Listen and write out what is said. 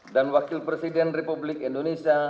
wakil presiden republik indonesia